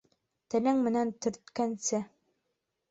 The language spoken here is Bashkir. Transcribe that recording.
Телең менән төрткәнсе